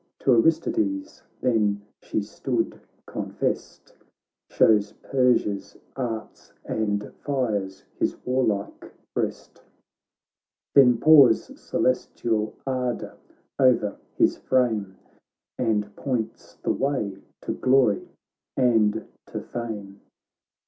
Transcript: To Aristides then she stood confessed, Shpws Persia's arts, and fires his warlike breast : Thenpourscelestialardouro'er his frame. And points the way to glory and to fame.